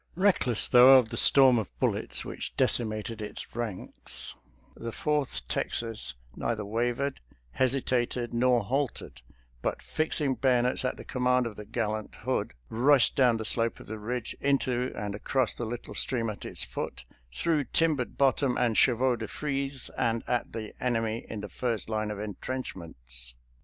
Eeckless, though, of the storm of bullets which decimated its ranks, the Fourth Texas neither wavered, hesitated nor halted, but fixing bayonets at the command of the gallant Hood, rushed down the slope of the ridge, into and across the little stream at its foot, through timbered bottom and chevaux de frise, and at the enemy in the first line of entrenchments.